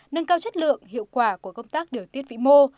nâng cao chất lượng hiệu quả của công tác điều tiết vĩ mô